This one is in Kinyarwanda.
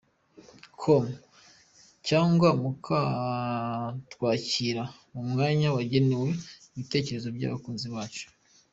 com cyangwa mukatwandikira mu mwanya wagenewe ibitekerezo by’abakunzi bacu.